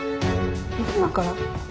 今から？